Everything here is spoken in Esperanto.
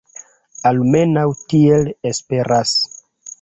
Almenaŭ tiel esperas.